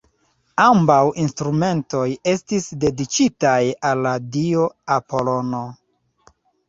Ambaŭ instrumentoj estis dediĉitaj al la dio Apolono.